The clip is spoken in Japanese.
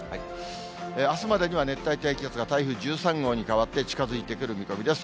あすまでには熱帯低気圧が台風１３号に変わって、近づいてくる見込みです。